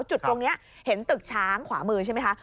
จุดตรงนี้เห็นตึกช้างขวามือใช่ไหมคะ